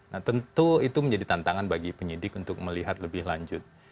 nah tentu itu menjadi tantangan bagi penyidik untuk melihat lebih lanjut